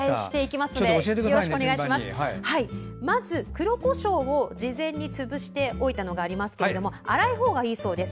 まず、黒こしょうを事前に潰しておいたものがありますが粗いほうがいいそうです。